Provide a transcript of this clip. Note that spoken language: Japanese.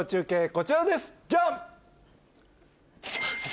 こちらですジャン！